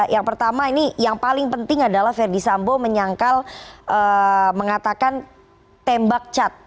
yang pertama ini yang paling penting adalah verdi sambo menyangkal mengatakan tembak cat